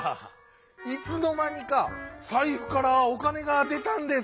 いつのまにかさいふから「おかねがでた」んです。